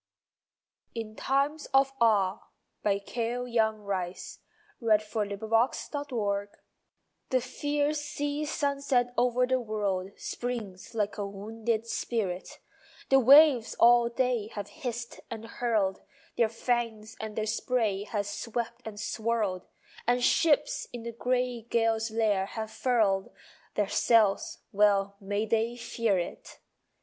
ction That could betray him in his hour of need. IN TIME OF AWE The fierce sea sunset over the world Springs like a wounded spirit, The waves all day have hissed and hurled Their fangs and the spray has swept and swirled, And ships in the gray gale's lair have furled Their sails well may they fear it!